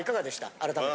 改めて。